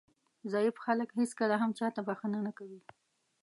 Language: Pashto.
ضعیف خلک هېڅکله هم چاته بښنه نه کوي.